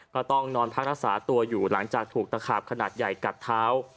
ก็ต้องนอนพักรักษาตัวอยู่หลังจากถูกตะขาบขนาดใหญ่กัดเท้า